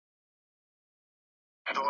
اخلاق د ایمان نیمایي برخه ده.